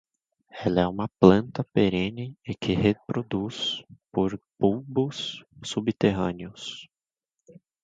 Ela é uma planta perene e que se reproduz por bulbos subterrâneos.